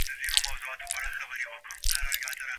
که تعلیمي مواد برابر وي، زده کوونکي بې وسایلو نه پاته کيږي.